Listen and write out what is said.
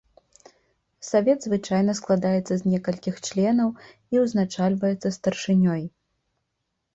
Савет звычайна складаецца з некалькіх членаў і узначальваецца старшынёй.